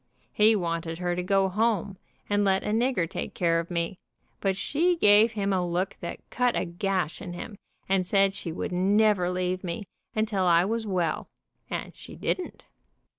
He wanted her to go home and let a nigger take care of me, but she gave him a look that cut a gash in him, and said she would never leave me until I was well, and she didn't.